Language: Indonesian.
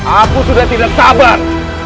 aku sudah tidak sabar